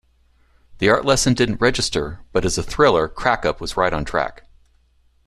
The art lesson didn't register, but as a thriller "Crack-Up" was right on track.